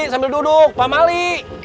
sambil duduk pamali